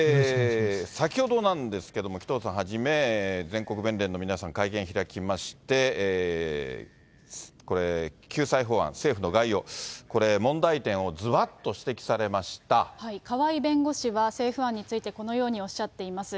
先ほどなんですけれども、紀藤さんはじめ全国弁連の皆さん、会見開きまして、これ、救済法案、政府の概要、これ、川井弁護士は、政府案について、このようにおっしゃっています。